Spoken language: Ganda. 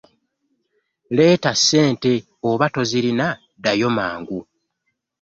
Leeta ssente oba tozirina ddayo mangu.